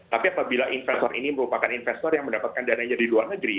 tapi apabila investor ini merupakan investor yang mendapatkan dananya di luar negeri